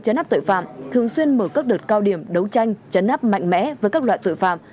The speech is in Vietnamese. chấn áp tội phạm thường xuyên mở các đợt cao điểm đấu tranh chấn áp mạnh mẽ với các loại tội phạm